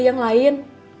untuk beli yang lain